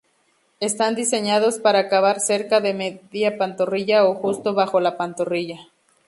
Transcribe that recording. Están diseñados para acabar cerca de media pantorrilla o justo bajo la pantorrilla.